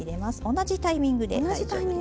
同じタイミングで大丈夫です。